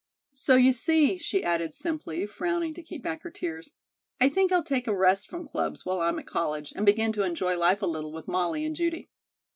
So, you see," she added, simply, frowning to keep back her tears, "I think I'll take a rest from clubs while I'm at college and begin to enjoy life a little with Molly and Judy."